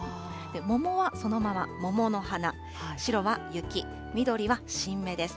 桃はそのまま桃の花、白は雪、緑は新芽です。